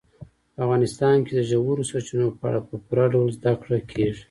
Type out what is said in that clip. په افغانستان کې د ژورو سرچینو په اړه په پوره ډول زده کړه کېږي.